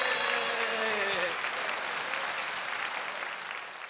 イエーイ！